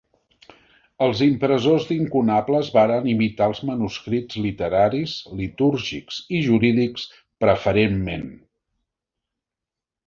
Els impressors d'incunables varen imitar els manuscrits literaris, litúrgics i jurídics preferentment.